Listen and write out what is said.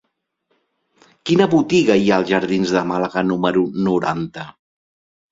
Quina botiga hi ha als jardins de Màlaga número noranta?